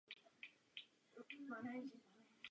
Skladba zaujímá postoj obrany a oslavy jihu.